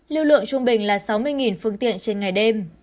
lưu lượng trung bình là sáu mươi phương tiện trên ngày đêm